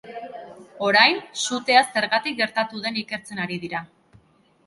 Orain, sutea zergatik gertatu den ikertzen ari dira.